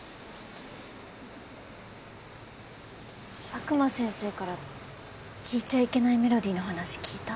佐久間先生から聞いちゃいけないメロディーの話聞いた？